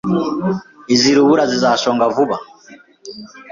Izi rubura zizashonga vuba.